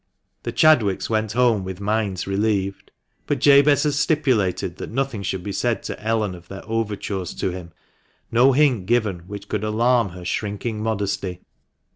The Chadwicks went home with minds relieved, but Jabez had stipulated that nothing should be said to Ellen of their overtures to him, no hint given which could alarm her shrinking modesty.